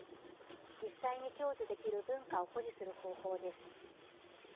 実際に享受できる文化を保持する方法です」。